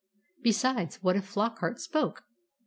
Besides, what if Flockart spoke?